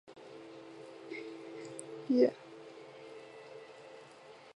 他具有母父各自的斯洛伐克人和日耳曼人血统。